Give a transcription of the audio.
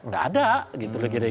nggak ada gitu